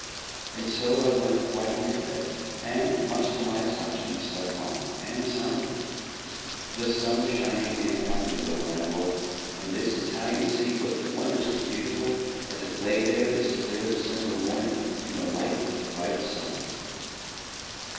And so I went quietly to bed, and, much to my astonishment, slept long and soundly. The sun was shining in at my window when I awoke, and this Italian city looked wondrously beautiful as it lay there this clear December morning, in the light of the bright sun.